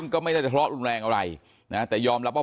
ก็ไม่ได้ทะเลาะรุนแรงอะไรนะแต่ยอมรับว่า